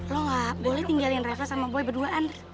lo gak boleh tinggalin reva sama boy berduaan